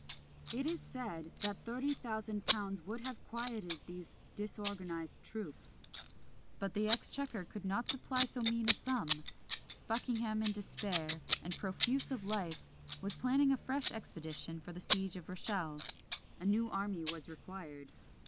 It is said that thirty thousand pounds would have quieted these disorganised troops; but the exchequer could not supply so mean a sum. Buckingham in despair, and profuse of life, was planning a fresh expedition for the siege of Rochelle; a new army was required.